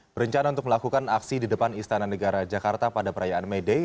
berencana untuk melakukan aksi di depan istana negara jakarta pada perayaan may day